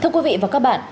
thưa quý vị và các bạn